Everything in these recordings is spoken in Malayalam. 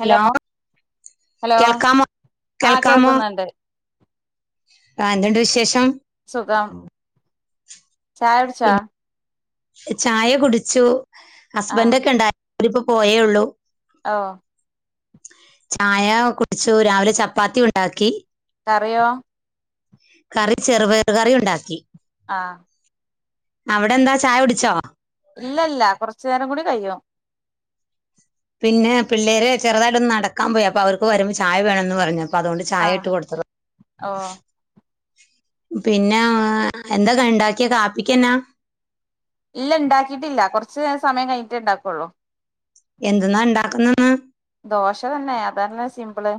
ഹലോ ഹലോ കേൾക്കാമോ ആ കേൾക്കാമോ കേൾക്ക്ന്ന്ണ്ട് ആ എന്തുണ്ട് വിശേഷം സുഖം ചായൊടിചാ പിന്നെ ചായ കുടിച്ചു.. ഹസ്ബൻഡക്കെ ണ്ടാ -വരിപ്പോ പോയേ ഉള്ളൂ ഓഹ് ചായ കുടിച്ചു രാവിലെ ചപ്പാത്തി ഉണ്ടാക്കി കറിയോ കറി ചെറുപയറു കറി ഉണ്ടാക്കി ആഹ് അവിടെന്താ ചായ കുടിച്ചോ ഇല്ലല്ല കുറച്ചു നേരം കൂടി കഴിയും പിന്നെ പിള്ളേര് ചെറുതായിട്ടൊന്ന് നടക്കാൻ പോയി അപ്പൊ അവർക്ക് വരുമ്പോ ചായ വേണന്ന് പറഞ്ഞു -പ്പൊ അതുകൊണ്ട് ആ ചായ ഇട്ട് കൊടുത്തത ഓ പിന്നാ ഇല്ല ണ്ടാക്കിട്ടില്ല കൊറച് സമയം കഴിഞ്ഞിട്ടേ ഇണ്ടാക്കൊള്ളൂ എന്ത്‌ന്നാ ണ്ടാക്ക്ന്നെന്ന് ദോശ തന്നെ അതല്ലേ സിംമ്പിള്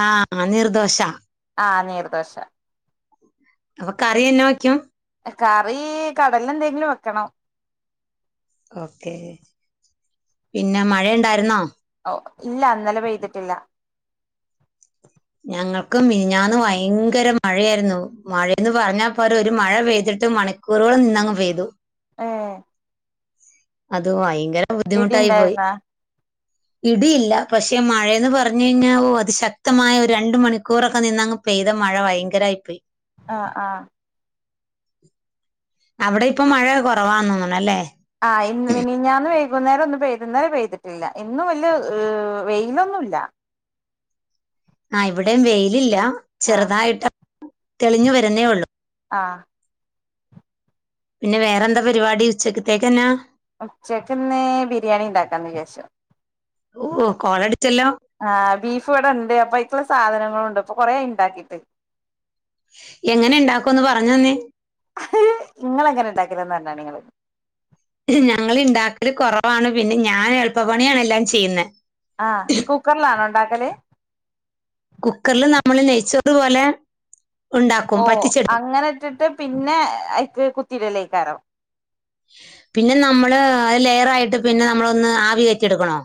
ആഹ് നീർദോശ ആഹ നീർദോശ അപ്പൊ കറി എന്നാ വെക്കും? കറീ കടല ന്തെങ്കിലും വെക്കണം ഓക്കേ പിന്ന മഴെണ്ടാർന്നോ ഓ ഇല്ല ഇന്നലെ പെയ്തിട്ടില്ല ഞങ്ങക്കും മിനിഞ്ഞാന്ന് വയങ്കര മഴയാരുന്നു മഴയന്ന് പറഞ്ഞാപോര ഒരു മഴ പെയ്തിട്ട് മണിക്കൂറുകൾ നിന്നങ്ങ് പെയ്ദു ഏ അത് ഭയങ്കര ഇടി ബുദ്ധിമുട്ടായി പോയി ഉണ്ടായിരുന്നാ ഇടിയില്ല പക്ഷെ മഴയെന്ന് പറഞ്ഞു കഴിഞ്ഞാ വോ അത് ശക്തമായ ഒരു രണ്ട് മണിക്കൂറൊക്കെ നിന്നങ്ങ് പെയ്ത മഴ ഭയങ്കരായി പോയി ആ ആ അവിടെ ഇപ്പ മഴ കുറവാന്നോന്നണ് അല്ലേ ആ ഇ മിനിഞാന്ന് വൈകുന്നേരം ഒന്നും പെയ്തു ഇന്നലെ പെയ്തിട്ടില്ല ഇന്നും വല്ല്യ വെയിലൊന്നുമില്ല ആ ഇവിടെയും വെയിലില്ല ചെറുതായിട്ട് തെളിഞ്ഞു വരുന്നേ ഉള്ളൂ ആ പിന്നെ വേറെന്താ പരിപാടി ഉച്ചക്കത്തേക്ക് എന്നാ ഉച്ചക്കിന്ന് ബിരിയാണി ഉണ്ടാക്കാന്ന് വിജാരിച്ചു ഓ കോളടിച്ചല്ലോ ആ ബീഫ് ഇവിടെ ഉണ്ട് അപ്പ അയിക്കുള്ള സാധനങ്ങൾ ഉണ്ട് അപ്പൊ കൊറെയായി ഇണ്ടാക്കിട്ട് എങ്ങനെ ണ്ടാക്കോന്ന് പറഞ്ഞുതന്നേ ങ്ങള് എങ്ങനെ ഇണ്ടാക്കലെന്ന് പറഞ്ഞാണി നിങ്ങള് ഞങ്ങള് ണ്ടാക്കല് കൊറവാണ് പിന്നെ ഞാൻ എളുപ്പ പണിയാണ് എല്ലാം ചെയ്യുന്നത് ആ കുക്കറിലാണോ ണ്ടാ ക്കല് കുക്കറില് നമ്മള് നെയ്ച്ചോറ് പോലെ ഉണ്ടാക്കും ഓ പറ്റിച്ചെടുക്കും അങ്ങനെ ഇട്ടിട്ട് പിന്നെ അയ്ക്ക് കുത്തിടലേക്കാരം പിന്നെ നമ്മള് ലെയർ ആയിട്ട് പിന്നെ നമ്മളൊന്ന് ആവി കേറ്റി എടുക്കണോ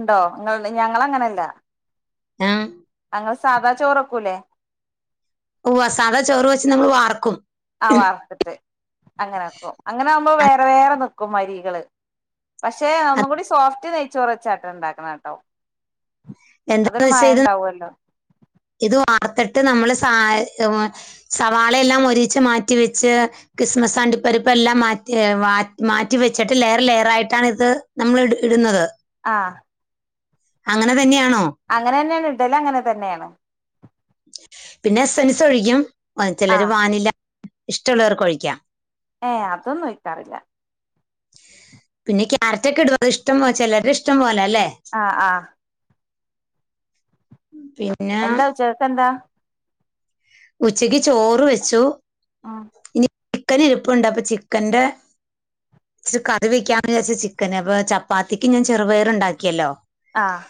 ണ്ടോ നിങ്ങ ഞങ്ങള അങ്ങനെല്ല ആ ഞങ്ങള് സാദാ ചോറക്കൂലേ ഉവ്വ സാധാ ചോറ് വെച്ച് നമ്മൾ വാർക്കും ആ വാർത്തിട്ട് അങ്ങനൊക്കും അങ്ങനെ ആവുമ്പോ അത് വേറെ വേറെ വെ ക്കുമരികള് പക്ഷെ ഒന്നും അത് കൂടി സോഫ്റ്റ് നെയി ചൊറച്ചാട്ട ണ്ടാക്കണം ട്ടോ എന്താന്ന് വച്ചാ ഇത് ഇത് വറുത്തിട്ട് നമ്മൾ സ സവാളയെല്ലാം മൊരിയിച്ച് മാറ്റി വെച്ച് കിസ്മസ് അണ്ടിപ്പരിപ്പ് എല്ലാം മാറ്റി മാറ്റി വെച്ചിട്ട് ലെയർ ലെയർ ആയിട്ടാണ് ഇത് നമ്മള് ഇ ഇടുന്നത് ആ അങ്ങനെ തന്നെയാണോ അങ്ങനെ തന്നെയാണ് ടല് അങ്ങനെ തന്നെയാണ് പിന്നെ എസ്സൻസ് ഒഴിക്കും ആ ചിലര് വാനില ഇഷ്ടമുള്ളവർക്ക് ഒഴിക്കാം ഏ അതൊന്നും ഒഴിക്കാറില്ല പിന്നെ ക്യാരറ്റ് ഒക്കെ എടുക്ക അത് ഇഷ്ടം പോ ചിലരുടെ ഇഷ്ടം പോലെ അല്ലേ ആഹ് ആഹ് പിന്നെ എന്താ ഉച്ചക്കെന്താ ഉച്ചക്ക് ചോറ് വെച്ചു ആഹ് ഇനി ചിക്കൻ ഇരുപ്പുണ്ട് അപ്പൊ ചിക്കന്റെ ഇച്ചിരി കറി വെക്കാ വിചാരിച്ച ചിക്കന് അപ്പൊ ചപ്പാത്തിക്ക് ഞാൻ ചെറുപയർ ഉണ്ടാക്കിയല്ലോ ആഹ്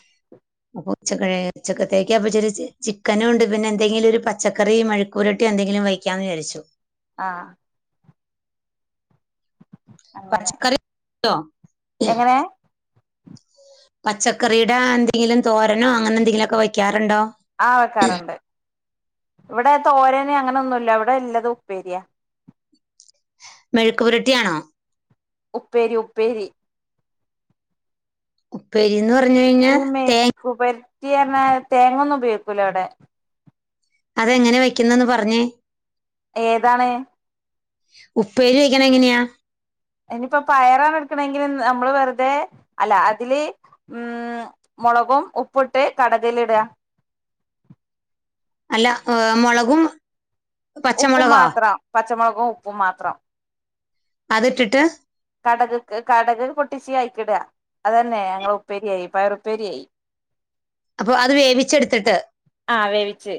അപ്പൊ ഉച്ചക്ക ഉച്ചക്കത്തേക്ക് അപ്പച്ച ചിക്കനും ഉണ്ട് പിന്നെ എന്തെങ്കില ഒരു പ പച്ചക്കറിയും മെഴുഴക്കൂരട്ടി എന്തെങ്കിലും വയ്ക്കാന്ന് വിാരിച്ചു ആഹ് പ അങ്ങനെ ച്ച്ക്കറി ട്ടോ എങ്ങനെ പച്ചക്കറിയുടെ എന്തെങ്കിലും തോരനോ അങ്ങനെ എന്തെങ്കിലും ഒക്കെ വെക്കാറുണ്ടോ? ആ വെക്കാറുണ്ട് ല്ലാ അങ്ങനൊന്നുംഇല്ല ഇവിടെ എല്ലതും ഉപ്പേരിയാ മെഴുക്കുപുരട്ടിയാണോ? ഉപ്പേരി, ഉപ്പേരി ഉപ്പേരി എന്ന് പറഞ്ഞ് കഴിഞ്ഞ തേ പുരട്ടി പറഞ്ഞാ, തേങ്ങന്നും ഉപയോഗിക്കൂല ഇവിടെ അതെങ്ങനെ വെക്കുന്നാ ഒന്ന് പറഞ്ഞേ ഏതാണ്? ഉപ്പേര് വഴിക്കണ എങ്ങനെയാ ഇനിപ്പോ പയറാണ് എടുക്കണെങ്കിൽ നമ്മള് തെ, അതില് ഉം മുളകും ഉപ്പുട്ട് കടകിലിടാ [inaudible] അല്ല മ് മുളകും ഉപ്പ് പച്ചമുളകോ മാത്രം പച്ച പച്ചമുളകും ഉപ്പും മാത്രം. അത് ഇട്ടിട്ട് കടക്ക്ക് കടക് പൊട്ടിച്ച് അയിക്കിട. അതന്നെ ഞങ്ങളെ ഉപ്പേരിയായി പയറുപ്പേരിയായി. അപ്പൊ അത് വേവിച്ചെടുത്തിട്ട് ആഹ് വേവിച്ച്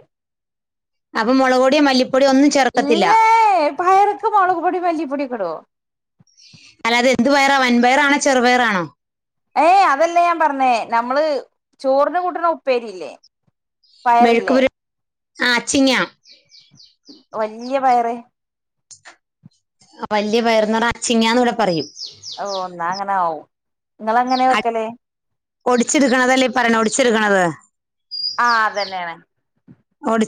അപ്പൊ മുളകൊടിയോ മല്ലി ഇല്ലേ--പയർക്ക് മുളക്പൊടി മല്ലിപ്പൊടിയൊക്കെ ഇടോ? അല്ലാതെ എന്തു പയറാ വൻപയറാണോ ചെറുപയറാണോ? ഏയ് അതല്ലേ ഞാൻ പറഞ്ഞേ നമ്മള് ചോറിനു കൂട്ടുന്ന ഉപ്പേരിയില്ലേ മെഴുക്ക് പയറില്ലേ? പുര ആ അച്ചിങ്ങ്യ. വല്യ പയറ് ആഹ് വല്യ പയറിന് അച്ചിങ്ങ്യ എന്ന് ഇവിടെ പറയും. ഓ ന്നാ അങ്ങനാവും ഇങ്ങളങ്ങനെ വെക്കല്. ഒടിച്ച്ട്ക്ക്ണതല്ലേ ഈ പറയ്നെ ഒടിച്ചിട്ക്ക്ണത്. ആഹ് അതെഞ്ഞെണ്.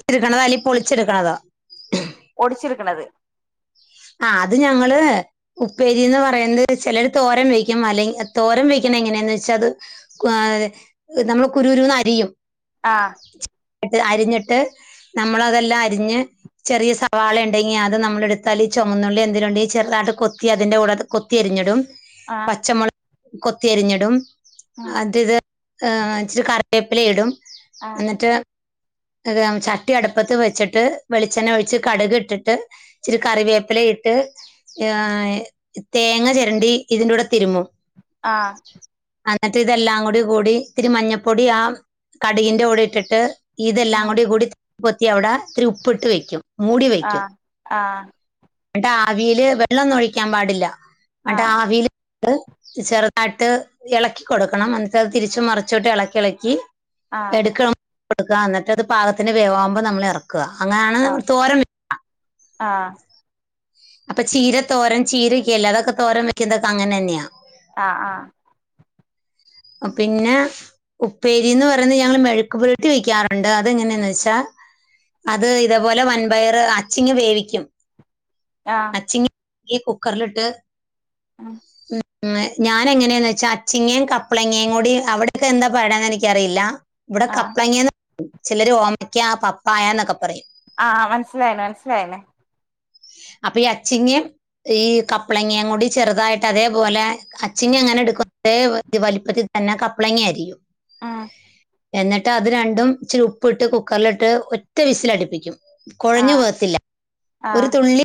ടിച്ച് ക്കണതോ അല്ലെങ്കി പൊളിച്ചിട്ക്കണതോ ഒടിച്ചിട്ക്ക്ണത്. ആ അത് ഞങ്ങള് ഉപ്പേരിന്ന് പറയുന്നത് ചിലര് തോരൻ വെയ്ക്കും, അല്ലെങ്ക തോരൻ വെയ്ക്കുന്നത് എങ്ങനെന്നെച്ചാ അത് [inaudible] നമ്മള് കുരുരുന്ന് അരിയും ആഹ് ട്ട്, അരിഞ്ഞിട്ട് നമ്മളതെല്ലാം അരിഞ്ഞ് ചെറിയ സവാളയുണ്ടെങ്കിൽ അത് നമ്മലെടുത്താല് ചൊമൊന്നുള്ളി എന്തെലുണ്ടെങ്കി ചെറുതാട്ട് കൊത്തി അതിന്റെകൂടെ കൊത്തി അരിഞ്ഞിടും. ആഹ് പച്ചമുള കൊത്തി അരിഞ്ഞിടും. അതിത് ഏഹ് ഇച്ചിരി കറിവേപ്പില ഇടും. ആഹ് എന്നിട്ട് ചട്ടി അടുപ്പത്ത് വെച്ചിട്ട് വെളിച്ചെണ്ണ ഒഴിച്ച് കടുക് ഇട്ടിട്ട് ഇച്ചിരി കറിവേപ്പ പ്പില ഇട്ട് ആ തേങ്ങ ചിരണ്ടി ഇതിന്റെ കൂടെ തിരുമ്മും. ആഹ് അന്നിട്ട് ഇതെല്ലാം കൂടി കൂടി ഇത്തിരി മഞ്ഞപ്പൊടി ആ കടുകിന്റെ കൂടെ ഇട്ടിട്ട് ഇതെല്ലാം കൂടി കൂടി കൊത്തി അവിടെ ഇത്തിരി ഉപ്പിട്ട് വെക്കും. മൂടി വെക്കും ആഹ് ആഹ് എന്നിട്ട് ആവില് വെള്ളൊന്നൊയി ക്കാൻ പാടില്ല. ആഹ് അട്ട് ആ വീല് ട്ട് ചെറുതായിട്ട് ഇളക്കി കൊടുക്കണം എന്നിട്ട് ത് തിരിച്ചും മറിച്ചുട്ട് ഇളക്കി ഇളക്കി ആഹ് എടുക്കണം കൊടുക്ക എന്നിട്ടത് പാകത്തിന് വേവാകുമ്പോ നമ്മള് ഇറക്കും ക്ക അങ്ങനാണെന്ന് തോരം വ ആഹ അപ്പൊ ചീര തോരം ചീരക്കല്ലേ അതൊക്കെ തോരം വെക്കുന്നതൊക്കെ അങ്ങനെന്യ ആഹ ആഹ പിന്നെ ഉപ്പേരിന്ന് പറയുന്നത് ഞങ്ങള് മെഴുക്കു പുരുട്ടി വെക്കാറുണ്ട് അത് എങ്ങനെയന്ന് വെച്ചാ അത് ഇതേപോലെ വൻപയർ അച്ചിങ്ങങ് വേവിക്കും ആഹ് ആഹ് ആഹ് അച്ചിങ് ഇ കുക്കറിലിട്ട് ഉം മ്മ് ഞാൻ എങ്ങനേന്ന് വെച്ചാ അച്ചിങ്ങേയും കപ്പ് അപ്പളങ്ങേ കൂടി അവിടത്തെ എന്താ പറയെന്ന്നിക്കറിയില്ല ഇവിടെ ആഹ് കപ്പളങ്ങ ചിലര് ഓമക്ക പപ്പായന്നൊക്കെ പറയും ആ മനസ്സിലായിന മനസ്സിലായിനേ അപ്പൊ ഈ അച്ചിങ്ങേമഈ കപ്പ്ളങ്ങയും കൂടി ചെറുതായിട്ട് അതേപോലെ അച്ചിങ്ങ എങ്ങനെ ഇട്ക്കു ഏവ് ഈ വലിപ്പത്തി തന്നെ കപ്പ്ളങ്ങ അരിയും ആ എന്നിട്ട് അത് രണ്ടും ഇച്ചിരി ഉപ്പ്ട്ട് കുക്കറിലിട്ട് ഒറ്റ വിസിലടിപ്പിക്കും കൊഴഞ്ഞു ആഹ് പോവത്തില്ല ഒരു ആഹ് തുള്ളി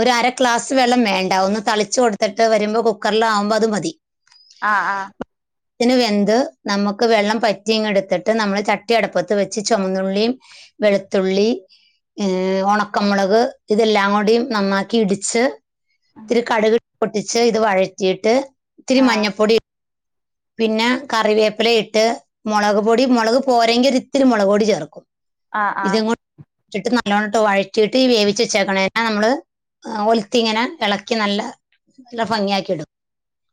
ഒര ഗ്ലാസ് വെള്ളം വേണ്ട ഒന്ന് തളിച്ചു കൊടുത്തിട്ട് വരുമ്പോൾ കുക്കറില ആകുമ്പോ അത് മതി ആഹ് ആഹ് അതിന് വെന്ത് നമുക്ക് വെള്ളം പറ്റിയങ്ങ എടുത്തിട്ട് നമ്മള് ചട്ടിയടപ്പത്ത് വെച്ച് ചുമന്നുള്ളിയും വെളുത്തുള്ളി ഏർ ഉണക്കമുളക് ഇതെല്ലാം കൂടിും നന്നാക്കി ഇടിച്ച് ഇത്തിരി കടുക്ി പൊട്ടിച്ച് ഇത് വഴറ്റിയിട്ട് ആഹ് ഇതിരിമഞ്ഞപ്പൊടി പിന്നെ കറിവേപ്പില ഇട്ട് മുളക് പൊടി മുളക് പോരെങ്കിൽ ഇത്തിരി മുളക് പൊടി ചേർക്കും ആ ആ ഇിട്ട് നല്ലോണ്ണംിട്ട് വഴറ്റിയിട്ട് വേവിച്ച വെച്ചക്കണേനെ നമ്മള് ഒലുത്തി ഇങ്ങനെ ഇളക്കി നല്ല നല്ല ഭംഗിയാക്കി ഇടും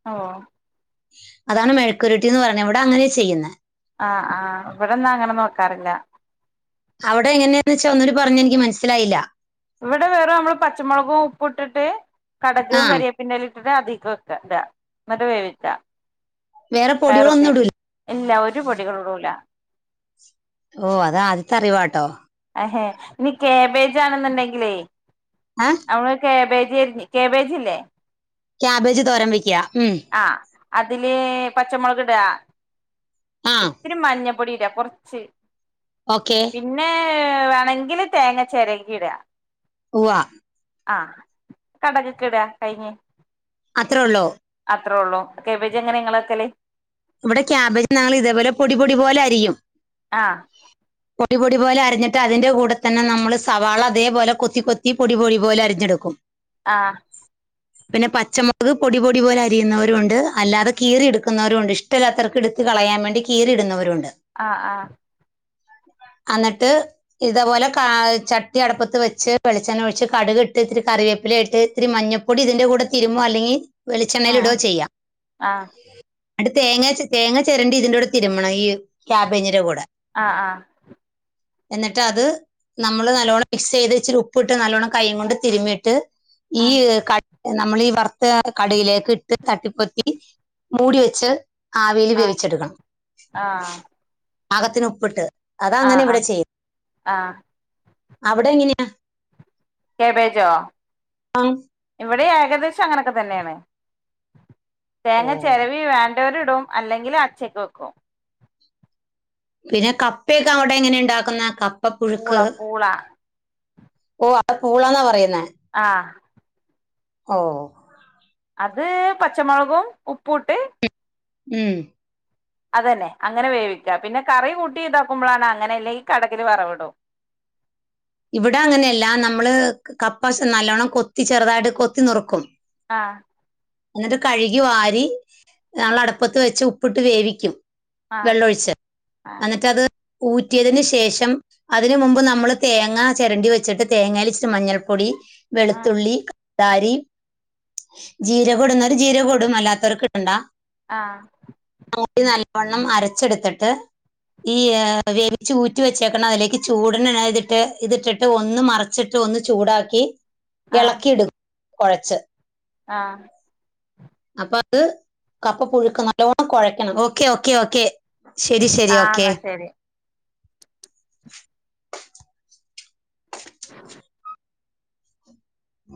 ഓ അതാണ് മെയുകുരുട്ടി എന്ന് പറഞ്ഞ ഇവിടെ അങ്ങനെ ചെയ്യുന്നത് ആഹ് ആഹ് ഇവിടന്നാ അങ്ങനെ നോക്കാറില്ല അവിടെ എങ്ങനെയന്ന് വെച്ചാ ഒന്നടെ പറഞ്ഞെ എനിക്ക് മനസ്സിലായില്ല ഇവിടെ വേറ നമ്മള് പച്ചമുളകും ഉപ്പ ഇട്ടിട്ട് കടകും ആ കറി വേപ്പിന്ടെലേ അധികം ഒക്കെ [unintelligible] ഇാ എന്നിട്ട വേവിച വേറെ പൊടികള ഒന്നും ഇടൂല്ല ഒരുപൊടികളടൂല ഓ അതാ ആദ്യത്തെ അറിവട്ടോ ഹ് ഇനി കേബേജാണെന്നുണ്ടെങ്കിലേ ആ കേബേജ് കേിജി കേബേജ്ല്ലേ ക്യാബേജ് തോരൻ വൈക്കുക ഉം ആഹ് അതില് പച്ചമുളക് ഇട ആ ഇത്തിരി മഞ്ഞ ടിഡാ കുറച്ച് ഓക്കേ ന്നെ വേണമെങ്കിൽ തേങ്ങ ചിരകി ഇടാ ഉവ്വ ആ കടകക്കെ ഇടാ കഴിഞ്ഞ് അത്രം ഉള്ളോ അത്രേ ഉള്ളൂ ഒെ എങ്ങനെ നിങ്ങളൊക്കെല്ലേ ഇവിടെ ക്യാബേജ് ഞങ്ങൾ ഇതേപോലെ പൊടി-പൊടി പോലെ ആരിയും ആഹ പൊടി-പൊടി പോലെ അരിഞ്ഞിട്ട് അതിന്റെ കൂടെതന്നെ നമ്മള് സവാള അതേപോലെ കൊത്തി കൊത്തി പൊടി-പൊടി പോലെ അരിഞ്ഞെടുക്കും ആഹ പിന്നെ പച്ചമുളക് പൊടി -പൊടി പോലെ അരിയുന്നവരുണ്ട് അല്ലാതെ കീറി എടുക്കുന്നവരുണ്ട് ഇഷ് ഷ്ടല്ലാത്തവർക് എടുത്ത് കളയാൻ വേണ്ടി കീറിടുന്നവരുണ്ട് ആഹ ആഹ എന്നിട്ട് ഇതേപോലെ ചട്ടി അടപ്പത്ത് വെച്ച് വെളിച്ചെണ്ണ ഒഴിച്ച് കടുകിട്ട് ഇത്തിരി കറിവേപ്പില ആയിട്ട് ഇത്തിരി മഞ്ഞപ്പൊടി ഇതിന്റെ കൂടെ തിരുമോ അല്ലെങ്കിൽ ഉം വെളിച്ചെണ്ണയിലിടോ ചെയ്യാം ആഹ് അടു [unintelligible] തേങ്ങ - തേങ്ങ ചിരണ്ടി ഇതിന്റെക്കൂടെ തിരുമണം ഈ ക്യാബേജിന്റെ കൂടെ ആ ആ എന്നിട്ട് അത് നമ്മൾ നല്ലോണം പിക്സ് ചെയ്ത് ച്ചിരി ഉപ്പിട്ട് നല്ലോണം കൈയ്യിങ്ങ് കൊണ്ട് തിരുമ്മിയിട്ട് ഈ ആഹ് യ് ക നമ്മൾ ഈ വർത്ത് കടകിലേക്ക് ഇട്ട് തട്ടിപ്പൊത്തി മൂടി വെച്ച് ആവീൽ ആഹ് വേവിച്ചെടുക്കണം ആഹ് പാകത്തിന് ഉപ്പ് ഇട്ട് ആഹ് അതങ്ങനെ ആഹ് ഇവിടെ ആഹ് ചെയ്യും ആഹ് അവിടെ എങ്ങനെയാ ക്യാബേജോ ആ, ഇവിടെ ഏകദേശം അങ്ങനെയൊക്കെ തന്നെയാണ് തേങ്ങ ഓ ചെരവി വേ ണ്ടോരിടും അല്ലെങ്കിൽ അച്ചേക്ക് വെക്കും പിന്നെ കപ്പയൊക്കെ അവിടെയെങ്ങനെ ഇണ്ടാക്കുന്നെ ക പൂള പൂള ഓ അപ്പം പൂളാന്നാ പറയ ആ ഓ അത് പച്ചമുളകും ഉപ്പൂട്ട് ഉം അതെന്നെ അങ്ങനെ വേവിക്കാ പിന്നെ കറി കൂട്ടി ഇതാക്കുമ്പോളാണ് അങ്ങനെയല്ല ഈ കടക്കില് വറവിടും ഇവിടെ അങ്ങനെയല്ല നമ്മള് കപ്പശം നല്ലോണ്ണം കൊത്തി ചെറുതായിട്ട് കൊത്തി നുറുക്കും ആ ഇന്നട്ട് കഴ്കി വാരി നമ്മള് അടപ്പത്ത് വെച്ച് ഉപ്പിട്ട് വേവിക്കും ആഹ് വെള്ളൊഴിച്ച് അന്നിട്ട് അത് ഊറ്റിയതിന് ശേഷം അതിന് മുമ്പ് നമ്മള് തേങ്ങ ചെരണ്ടി വെച്ചിട്ട് തേങ്ങലിച്ചിരി മഞ്ഞൾപ്പൊടി ആഹ് വെളുത്തുള്ളി തരി ജീരകം ഇടുന്നോര് ജീരകം ഇടും അല്ലാത്തോർക്ക് ഇടണ്ട ആഹ് [unintelligible] നൽ വള്ളം അരച്ചെട്ത്തിട്ട് ഈ ഏ വേവിച്ച് ഊറ്റി വെച്ചേക്ക്‌ണ അതിലേക്ക് ചൂടിന് ഇതിട്ട് ഇതിട്ടിട്ട് ഒന്ന് മറച്ചിട്ട് ഒന്ന് ചൂടാക്കി എളക്കിടും കൊഴച്ച് ആ അപ്പം അത് കപ്പ പുഴുക്ക്‌ നല്ലോണം കൊഴക്കണം ഓക്കേ ഓക്കെ ഓക്കെ ശരി ശരി ആഹ് ഓക്കെ എന്നാ ശരി ഉ